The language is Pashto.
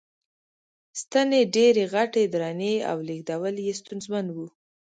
ستنې ډېرې غټې، درنې او لېږدول یې ستونزمن و.